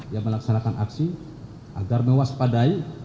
yang melaksanakan aksi agar mewaspadai